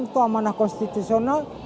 itu amanah konstitusional